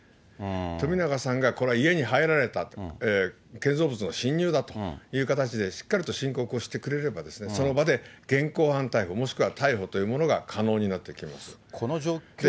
冨永さんがこれは家に入られた、建造物の侵入だとしっかりと申告をしてくれれば、その場で現行犯逮捕、もしくは逮捕というものが可能になってきます。